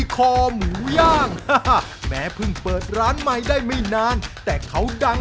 คอหมูย่างแม้เพิ่งเปิดร้านใหม่ได้ไม่นานแต่เขาดัง